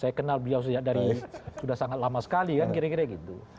saya kenal beliau sejak dari sudah sangat lama sekali kan kira kira gitu